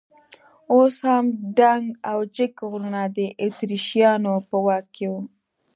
اوس هم دنګ او جګ غرونه د اتریشیانو په واک کې وو.